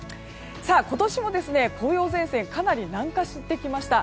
今年も紅葉前線かなり南下してきました。